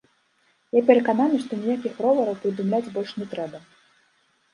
Я перакананы, што ніякіх ровараў прыдумляць больш не трэба.